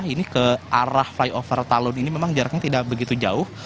ini ke arah flyover talon ini memang jaraknya tidak begitu jauh